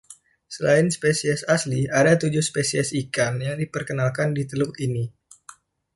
Selain spesies asli, ada tujuh spesies ikan yang diperkenalkan di teluk ini.